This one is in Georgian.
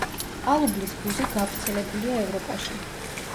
ალუბლის ბუზი გავრცელებულია ევროპაში.